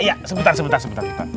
iya iya sebentar sebentar